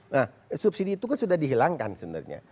nah subsidi itu kan sudah dihilangkan sebenarnya